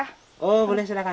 oh boleh silakan silakan